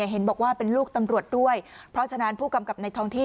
เห็นบอกว่าเป็นลูกตำรวจด้วยเพราะฉะนั้นผู้กำกับในท้องที่